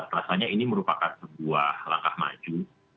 rasanya ini merupakan sebuah langkah maju